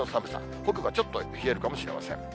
北部はちょっと冷えるかもしれません。